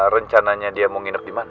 rencananya dia mau nginep dimana